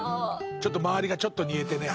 「ちょっと周りがちょっと煮えてね」